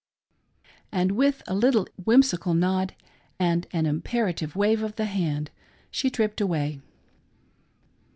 And with a little whimsical nod and an iniperative wave of the hand, she tripped away.